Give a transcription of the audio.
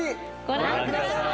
ご覧ください。